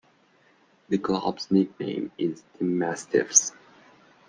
The club's nickname is the mastiffs.